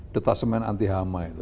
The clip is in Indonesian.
detachment anti hama itu